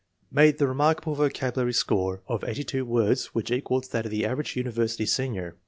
made the remarkable vocabulary score of 82 words, which equals that of the average university senior.